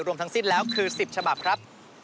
รวมทั้งสิ้นแล้วคือ๑๐ฉบับครับ